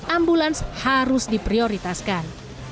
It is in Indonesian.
ambulans harus diprioritaskan